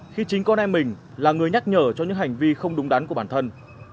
khi chính con em mình là người nhắc nhở cho những hành vi không đúng đắn của bản thân